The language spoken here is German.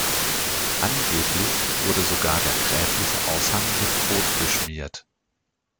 Angeblich wurde sogar der gräfliche Aushang mit Kot beschmiert.